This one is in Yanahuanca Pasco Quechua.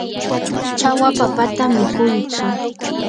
chawa papata mikuytsu.